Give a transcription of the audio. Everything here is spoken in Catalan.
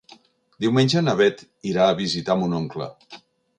Diumenge na Beth irà a visitar mon oncle.